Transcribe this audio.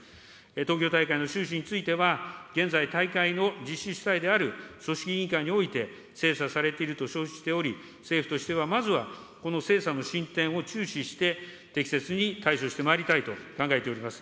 東京大会の収支については、現在、大会の実施主体である組織委員会において、精査されていると承知しており、政府としてはまずはこの精査の進展を注視して、適切に対処してまいりたいと考えております。